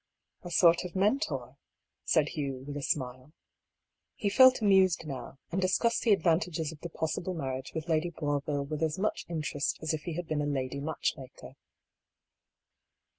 " A sort of Mentor," said Hugh, with a smile. He felt amused now, and discussed the advantages of the possible marriage with Lady Boisville with as much interest as if he had been a lady matchmaker.